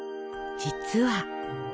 実は。